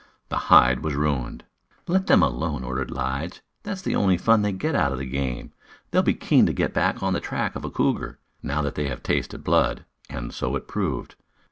The hide was ruined. "Let them alone!" ordered Lige. "That's the only fun they get out of the game. They'll be keen to get on the track of a cougar, now that they have tasted blood." And so it proved.